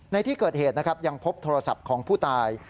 ในที่เกิดเหตุนะครับยังพบโทรศัพท์ของผู้ตาย